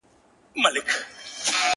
نه حیا له رقیبانو نه سیالانو-